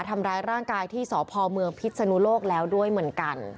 ทำร้ายร่างกายที่สพเมืองพิษนุโลกแล้วด้วยเหมือนกัน